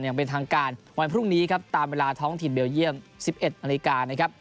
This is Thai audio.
ยังเป็นทางการวันพรุ่งนี้ตามเวลาท้องถิ่นเบลเยี่ยม๑๑อันตรีการ